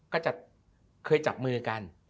ก็จะเคยจับมือกัน